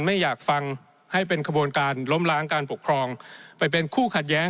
ไม่อยากฟังให้เป็นขบวนการล้มล้างการปกครองไปเป็นคู่ขัดแย้ง